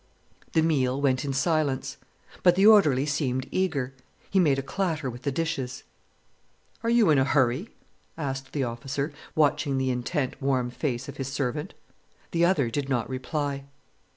The meal went in silence. But the orderly seemed eager. He made a clatter with the dishes. "Are you in a hurry?" asked the officer, watching the intent, warm face of his servant. The other did not reply.